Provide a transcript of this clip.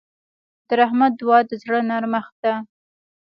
د رحمت دعا د زړه نرمښت ده.